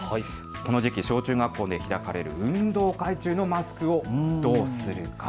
この時期、小中学校などで開かれる運動会中のマスクをどうするか。